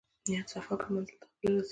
نیت صفاء کړه منزل ته خپله رسېږې.